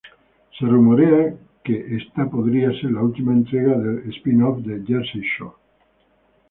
Se rumorea que esta podría ser la última entrega del Spin-Off de Jersey Shore